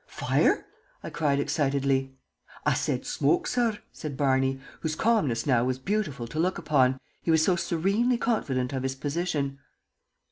"Fire?" I cried, excitedly. "I said shmoke, sorr," said Barney, whose calmness was now beautiful to look upon, he was so serenely confident of his position.